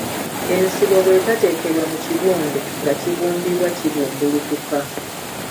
Ensibo bwe tateekebwa mu kibumbe nga kibumbibwa kibumbulukuka.